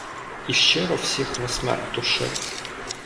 І щиро всіх на смерть душив.